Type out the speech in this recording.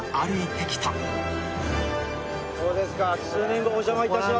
そうですか。